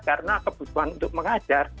karena kebutuhan untuk mengajar